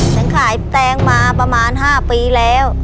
ฉันขายแตงมาประมาณ๕ปีแล้ว